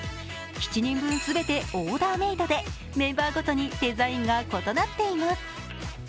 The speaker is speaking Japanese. ７人分全てオーダーメードでメンバーごとにデザインが異なっています。